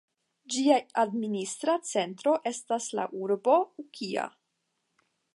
Ĝia administra centro estas la urbo Ukiah.